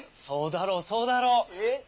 そうだろそうだろ。ええ。